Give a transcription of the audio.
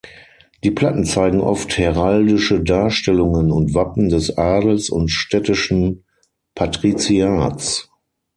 Die Platten zeigen oft heraldische Darstellungen und Wappen des Adels und städtischen Patriziats.